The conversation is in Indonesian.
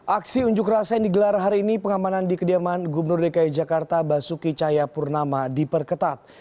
aksi unjuk rasa yang digelar hari ini pengamanan di kediaman gubernur dki jakarta basuki cahaya purnama di perketat